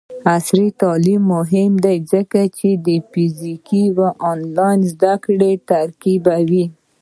عصري تعلیم مهم دی ځکه چې د فزیکي او آنلاین زدکړې ترکیب کوي.